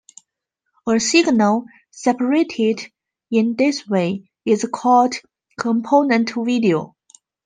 A signal separated in this way is called "component video".